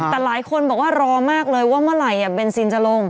แต่หลายคนบอกว่ารอมากเลยว่าเมื่อไหร่เบนซินจะลง